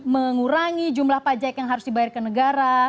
mengurangi jumlah pajak yang harus dibayar ke negara